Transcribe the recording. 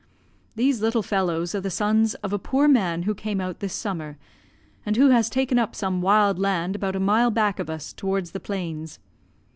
"These little fellows are the sons of a poor man who came out this summer, and who has taken up some wild land about a mile back of us, towards the plains.